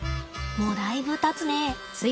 もうだいぶたつね。